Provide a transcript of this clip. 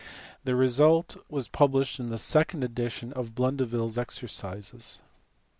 The result was published in the second edition of Blundeville s Exercises. * See pp.